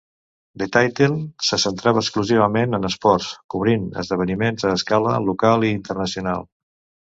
"The Title" se centrava exclusivament en esports, cobrint esdeveniments a escala local i internacional.